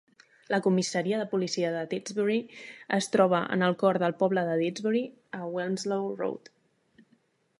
La comissaria de policia de Didsbury es troba en el cor del poble de Didsbury, a Wilmslow Road.